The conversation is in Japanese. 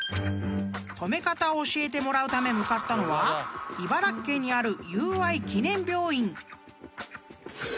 ［止め方を教えてもらうため向かったのは茨城県にある］